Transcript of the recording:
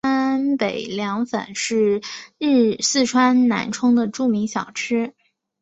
川北凉粉是四川南充的著名小吃。